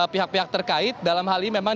pihak pihak terkait dalam hal ini memang